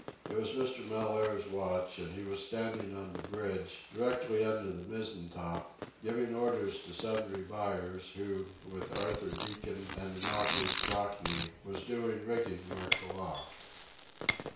It was Mr. Mellaire's watch, and he was standing on the bridge, directly under the mizzen top, giving orders to Sundry Buyers, who, with Arthur Deacon and the Maltese Cockney, was doing rigging work aloft.